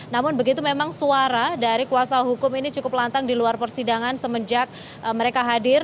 namun begitu memang suara dari kuasa hukum ini cukup lantang di luar persidangan semenjak mereka hadir